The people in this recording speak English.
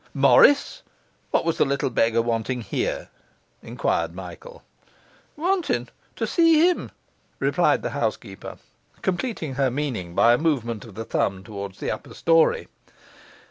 'Morris! What was the little beggar wanting here?' enquired Michael. 'Wantin'? To see him,' replied the housekeeper, completing her meaning by a movement of the thumb toward the upper storey.